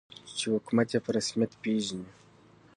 چې حکومت یې په رسمیت پېژني.